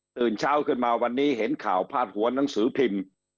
ตื่นเช้าขึ้นมาวันนี้เห็นข่าวพาดหัวหนังสือพิมพ์